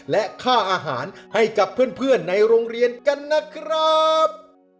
และค่าอาหารให้กับเพื่อนในโรงเรียนกันนะครับ